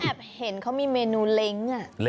เห็นเขามีเมนูเล้ง